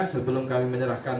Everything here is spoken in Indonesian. sebelum kami menyerahkan